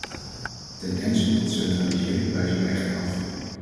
Tendensen tot centralisering wijzen wij echter af.